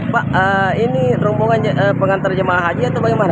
pak ini rombongan pengantar jemaah haji atau bagaimana